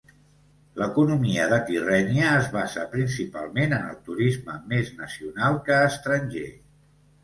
L'economia de Tirrènia es basa principalment en el turisme, més nacional que estranger.